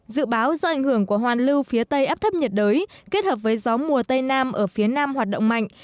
dự báo do ảnh hưởng của hoàn lưu phía tây áp thấp nhiệt đới kết hợp với gió mùa tây nam ở phía nam hoạt động mạnh